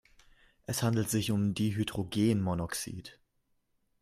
Es handelt sich um Dihydrogenmonoxid.